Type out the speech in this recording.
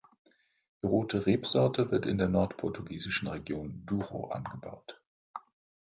Die rote Rebsorte wird in der nordportugiesischen Region Douro angebaut.